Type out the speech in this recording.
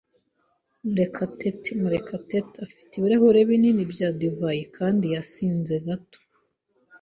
[Murekatete] Murekatete afite ibirahure binini bya divayi kandi yasinze gato.